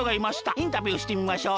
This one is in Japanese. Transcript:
インタビューしてみましょう。